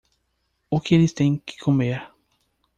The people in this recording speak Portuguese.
O que eles têm que comer?